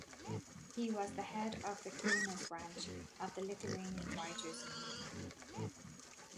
He was the head of the Kaunas branch of the Lithuanian Writers' Union.